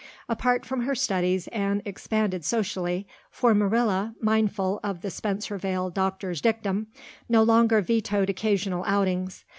Apart from her studies Anne expanded socially, for Marilla, mindful of the Spencervale doctor's dictum, no longer vetoed occasional outings.